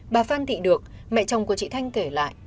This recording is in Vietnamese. bà phan thị được mẹ chồng của chị thanh kể lại